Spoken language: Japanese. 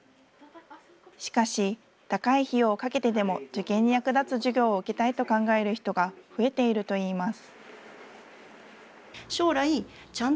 しかし、高い費用をかけてでも受験に役立つ授業を受けたいと考える人が増えているといいます。